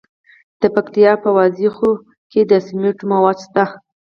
د پکتیکا په وازیخوا کې د سمنټو مواد شته.